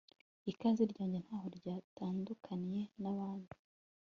Ikaze ryanjye ntaho ryatandukaniye nabandi